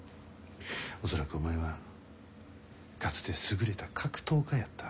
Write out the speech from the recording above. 恐らくお前はかつて優れた格闘家やった。